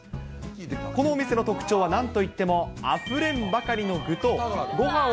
このお店の特徴はなんといってもあふれんばかりの具と、ごはんを